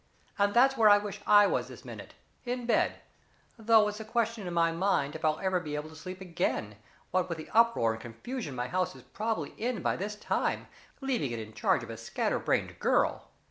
And that's where I wish I was this minute in bed though it's a question in my mind if I'll ever be able to sleep again, what with the uproar and confusion my house is probably in by this time, leaving it in charge of a scatter brained girl.